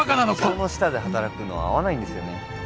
人の下で働くのは合わないんですよね